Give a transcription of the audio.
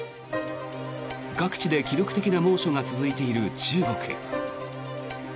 各地で記録的な猛暑が続いている中国。